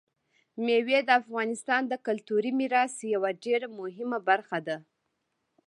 مېوې د افغانستان د کلتوري میراث یوه ډېره مهمه برخه ده.